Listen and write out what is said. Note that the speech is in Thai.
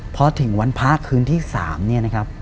พอถึงวันพระคืนที่๓เนี่ยนะครับ